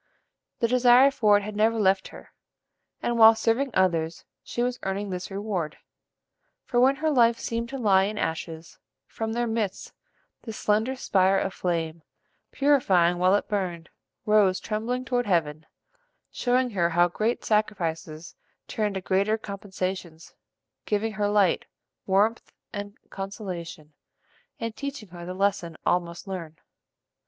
The desire for it had never left her, and, while serving others, she was earning this reward; for when her life seemed to lie in ashes, from their midst, this slender spire of flame, purifying while it burned, rose trembling toward heaven; showing her how great sacrifices turn to greater compensations; giving her light, warmth, and consolation, and teaching her the lesson all must learn.